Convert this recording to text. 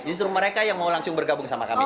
justru mereka yang mau langsung bergabung sama kami